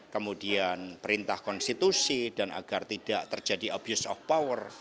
kemudian perintah konstitusi dan agar tidak terjadi abuse of power